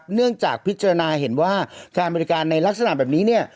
เนื่องจากพิจารณาเห็นว่าการบริการในลักษณะแบบนี้เนี่ย